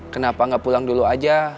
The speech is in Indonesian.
kenapa nggak pulang dulu aja